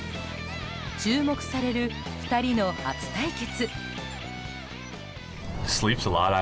注目される２人の初対決。